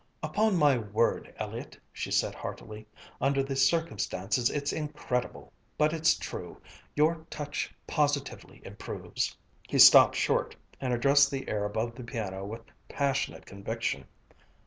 "Upon my word, Elliott," she said heartily, "under the circumstances it's incredible, but it's true your touch positively improves." He stopped short, and addressed the air above the piano with passionate conviction.